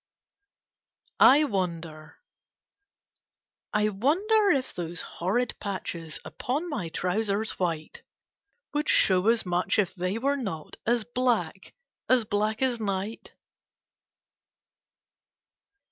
I WONDEE I wonder if those horrid patches Upon my trousers white Would show as much if they were not As black a» black as night